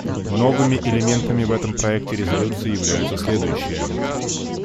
Новыми элементами в этом проекте резолюции являются следующие.